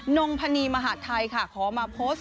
นงพนีมหาดไทยค่ะขอมาโพสต์